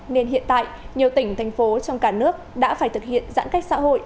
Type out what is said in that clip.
nên hiện tại nhiều tỉnh thành phố trong cả nước đã phải thực hiện giãn cách xã hội